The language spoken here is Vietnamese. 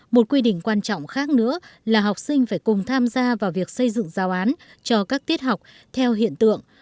một quy định quan trọng khác nữa là học sinh phải cùng tham gia vào việc xây dựng giao án cho các tiết học theo hiện tượng